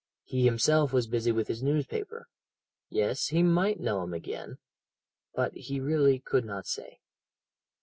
He himself was busy with his newspaper yes he might know him again but he really could not say.